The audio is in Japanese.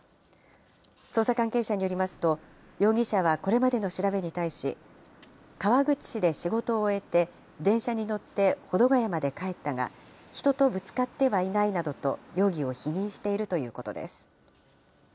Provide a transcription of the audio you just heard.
捜査関係者によりますと、容疑者はこれまでの調べに対し、川口市で仕事を終えて電車に乗って保土ケ谷まで帰ったが、人とぶつかってはいないなどと容疑を否認しているということです。